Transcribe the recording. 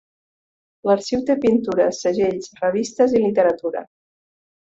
L'arxiu té pintures, segells, revistes i literatura.